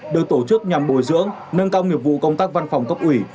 được tổ chức nhằm bồi dưỡng nâng cao nghiệp vụ công tác văn phòng cấp ủy